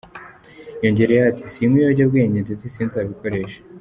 Yongeraho ati “Sinywa ibiyobyabwenge ndetse sinzabikoresha.